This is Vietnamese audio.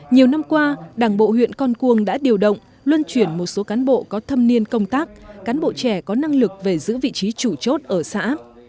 nhiều năm qua đảng bộ huyện con cuồng đã điều động luân chuyển một số cán bộ có thâm niên công tác cán bộ trẻ có năng lực về giữ vị trí chủ chốt ở xã